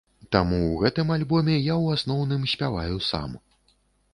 Таму ў гэтым альбоме я ў асноўным спяваю сам.